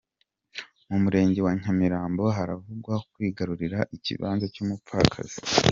Mu murenge wa Nyamirambo haravugwaho kwigarurira ikibanza cy’umupfakazi